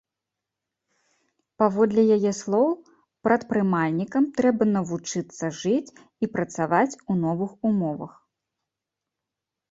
Паводле яе слоў, прадпрымальнікам трэба навучыцца жыць і працаваць у новых умовах.